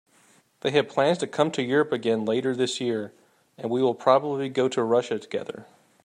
They have plans to come to Europe again later this year, and we will probably go to Russia together.